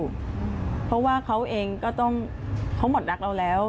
เราก็ต้องสู้เพราะว่าเขาเองก็ต้องเขาหมดรักเราแล้ว